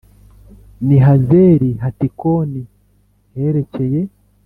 n i Hazeri Hatikoni herekeye